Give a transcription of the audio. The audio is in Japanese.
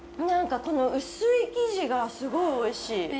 何かこの薄い生地がすごいおいしい。